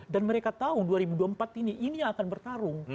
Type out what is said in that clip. dan mereka tahu dua ribu dua puluh empat ini akan bertarung